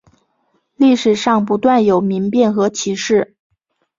历史上不断有民变和起事。